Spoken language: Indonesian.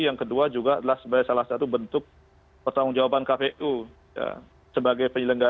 yang kedua juga adalah sebagai salah satu bentuk pertanggung jawaban kpu sebagai penyelenggara